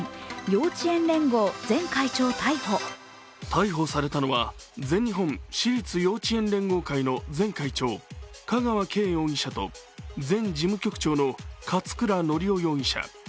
逮捕されたのは全日本私立幼稚園連合会の前会長、香川敬容疑者と前事務局長の勝倉教雄容疑者。